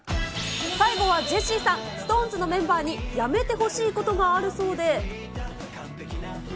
最後はジェシーさん、ＳｉｘＴＯＮＥＳのメンバーにやめてほしいことがあるそうで。